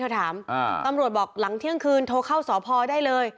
ถามตำรวจบอกหลังเที่ยงคืนโทรเข้าสพได้เลย